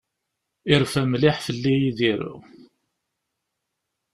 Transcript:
Yerfa mliḥ fell-i Yidir.